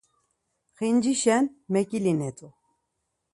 Xincişen meǩilinet̆u.